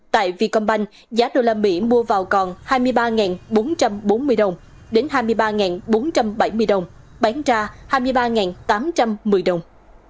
tại vietcombank giá đô la mỹ mua vào còn hai mươi ba bốn trăm bốn mươi đồng đến hai mươi ba bốn trăm bảy mươi đồng bán ra hai mươi ba tám trăm một mươi đồng